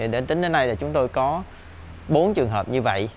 đến tính đến nay chúng tôi có bốn trường hợp như vậy